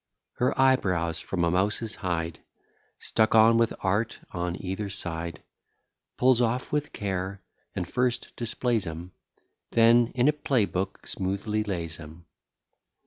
Her eyebrows from a mouse's hide Stuck on with art on either side, Pulls off with care, and first displays 'em, Then in a play book smoothly lays 'em.